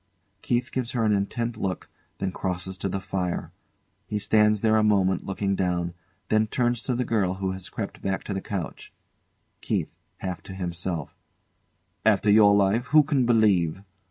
KEITH gives her an intent look, then crosses to the fire. He stands there a moment, looking down, then turns to the girl, who has crept back to the couch. KEITH. [Half to himself] After your life, who can believe